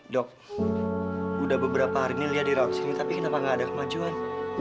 dok udah beberapa hari ini lihat di rawat sini tapi kenapa nggak ada kemajuan